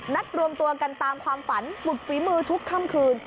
รวมตัวกันตามความฝันฝุดฝีมือทุกค่ำคืน